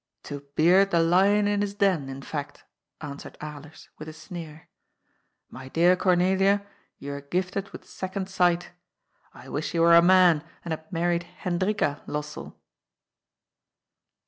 "^' To beard the lion in his den, in fact," answered Alers, with a sneer. ^^ My dear Cornelia, you are gifted with sec ond sight I wish you were a man, and had married Hen drika Lossell."